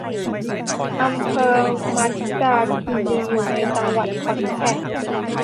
อำเภอมัญจาคีรี อยู่ในจังหวัดขอนแก่น